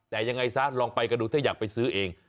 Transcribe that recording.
แต่ยังไงซะลองไปกันดูถ้าอยากไปซื้อเอง